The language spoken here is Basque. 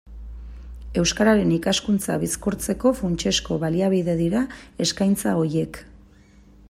Euskararen ikaskuntza bizkortzeko funtsezko baliabide dira eskaintza horiek.